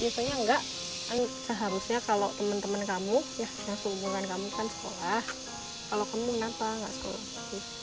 misalnya enggak seharusnya kalau temen temen kamu ya kehubungan kamu kan sekolah kalau kamu kenapa nggak sekolah